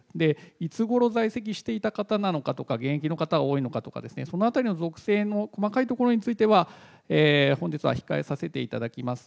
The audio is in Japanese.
いつごろ在籍していた方なのかとか、現役の方が多いのかとか、そのあたりの属性の細かいところについては、本日は控えさせていただきます。